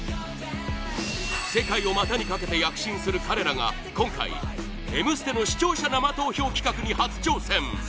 世界を股にかけて躍進する彼らが今回、「Ｍステ」の視聴者生投票企画に初挑戦！